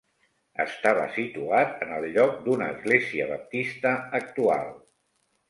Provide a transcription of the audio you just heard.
Estava situat en el lloc d'una església baptista actual.